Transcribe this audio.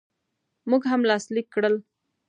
موږ هم لاسلیک کړل.